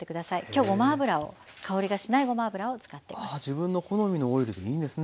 今日ごま油を香りがしないごま油を使っています。